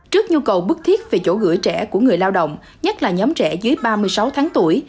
trước nhu cầu bức thiết về chỗ gửi trẻ của người lao động nhất là nhóm trẻ dưới ba mươi sáu tháng tuổi